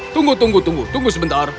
tunggu tunggu tunggu sebentar